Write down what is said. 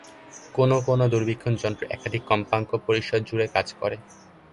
কোনও কোনও দূরবীক্ষণ যন্ত্র একাধিক কম্পাঙ্ক পরিসর জুড়ে কাজ করে।